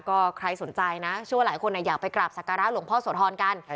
ก็ใครสนใจนะเชื่อว่าหลายคนอยากไปกราบสักการะหลวงพ่อโสธรกัน